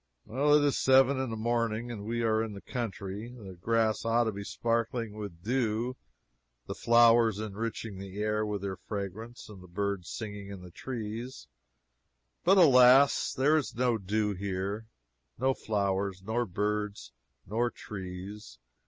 It is seven in the morning, and as we are in the country, the grass ought to be sparkling with dew, the flowers enriching the air with their fragrance, and the birds singing in the trees. But alas, there is no dew here, nor flowers, nor birds, nor trees.